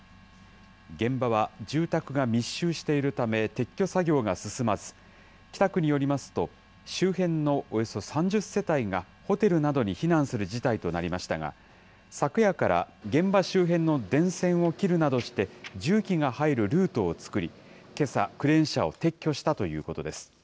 現場は住宅が密集しているため、撤去作業が進まず、北区によりますと、周辺のおよそ３０世帯がホテルなどに避難する事態となりましたが、昨夜から現場周辺の電線を切るなどして、重機が入るルートを作り、けさ、クレーン車を撤去したということです。